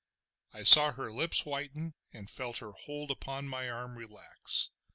I saw her lips whiten, and felt her hold upon my arm relax.